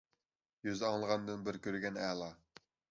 يۈز ئاڭلىغاندىن بىر كۆرگەن ئەلا.